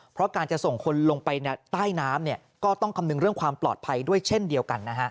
เพราะการจะส่งคนลงไปใต้น้ำก็ต้องคำนึงเรื่องความปลอดภัยด้วยเช่นเดียวกันนะฮะ